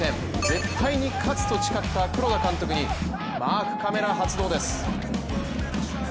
絶対に勝つと誓った黒田監督にマークカメラ発動です。